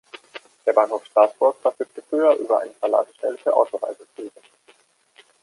Der Bahnhof Straßburg verfügte früher über eine Verladestelle für Autoreisezüge.